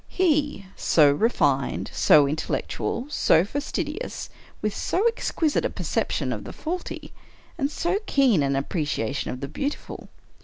He, so refined, so intellectual, so fastidious, with so exquisite a perception of the faulty, and so keen an appreciation of the beautiful!